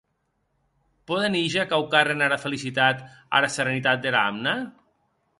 Pòden híger quauquarren ara felicitat, ara serenitat dera amna?